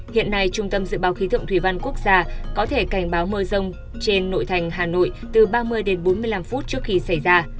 hiện nay trung tâm dự báo khí tượng thủy văn quốc gia có thể cảnh báo mưa rông trên nội thành hà nội từ ba mươi đến bốn mươi năm phút trước khi xảy ra